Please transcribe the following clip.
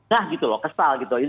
nah gitu loh kesal gitu